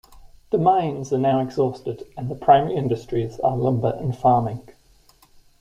The mines are now exhausted and the primary industries are lumber and farming.